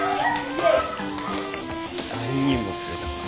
３人も釣れたか。